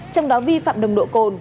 trong đó vi phạm đồng độ cồn